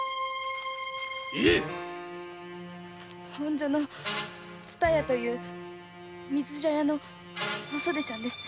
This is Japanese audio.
言え本所の「つたや」という水茶屋のお袖ちゃんです。